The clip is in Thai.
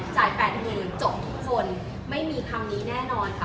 แปดหมื่นจบทุกคนไม่มีคำนี้แน่นอนค่ะ